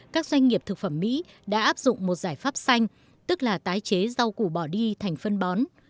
các doanh nghiệp thực phẩm mỹ đã áp dụng một giải pháp xanh tức là tái chế rau củ bỏ đi thành phân bón